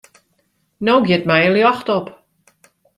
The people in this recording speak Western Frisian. No giet my in ljocht op.